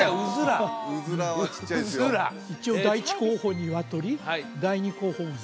一応第一候補ニワトリ第二候補うずら？